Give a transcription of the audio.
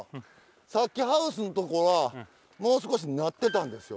さっきハウスん所はもう少しなってたんですよ。